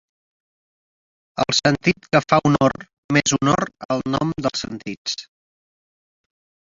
El sentit que fa honor més honor al nom dels sentits.